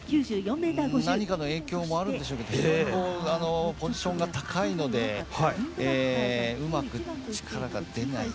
何かの影響もあるんでしょうけどポジションが高いのでうまく力が出ないですね。